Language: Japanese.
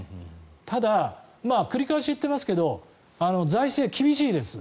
ただ、繰り返し言っていますが財政、厳しいです。